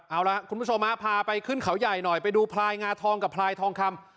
เอาล่ะคุณผู้ชมฮะพาไปขึ้นเขาใหญ่หน่อยไปดูพลายงาทองกับพลายทองคำ